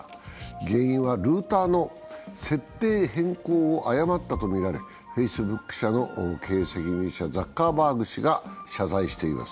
原因はルーターの設定変更を誤ったとみられ、Ｆａｃｅｂｏｏｋ社の経営責任者、ザッカーバーグ氏が謝罪しています。